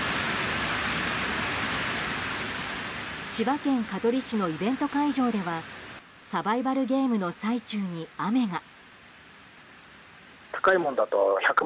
千葉県香取市のイベント会場ではサバイバルゲームの最中に雨が。